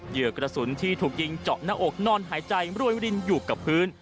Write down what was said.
เหยื่อกระสุนที่ถูกยิงเจาะหน้าอกนอนหายใจรวยรินอยู่กับพื้น